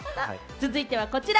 続いては、こちら。